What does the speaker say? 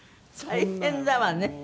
大変だわね。